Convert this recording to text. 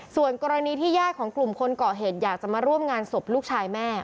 ส่วนกรณีที่ญาติของกลุ่มคนก่อเหตุอยากจะมาร่วมงานศพลูกชายแม่